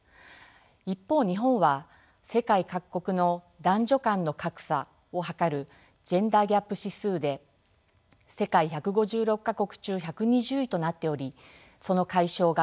一方日本は世界各国の男女間の格差をはかるジェンダーギャップ指数で世界１５６か国中１２０位となっておりその解消が喫緊の課題です。